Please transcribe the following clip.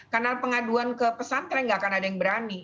kanal pengaduan ke pesantren gak akan ada yang berani